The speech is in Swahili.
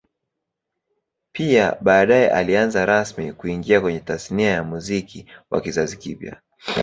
Pia baadae alianza rasmi kuingia kwenye Tasnia ya Muziki wa kizazi kipya